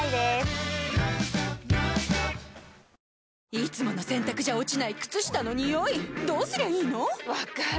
いつもの洗たくじゃ落ちない靴下のニオイどうすりゃいいの⁉分かる。